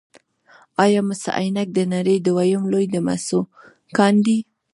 آیا مس عینک د نړۍ دویم لوی د مسو کان دی؟